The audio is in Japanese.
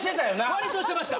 わりとしてました。